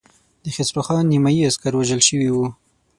د خسرو خان نيمايي عسکر وژل شوي وو.